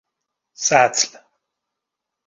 سطل